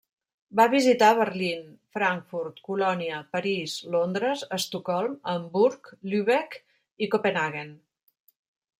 Va visitar Berlín, Frankfurt, Colònia, París, Londres, Estocolm, Hamburg, Lübeck i Copenhaguen.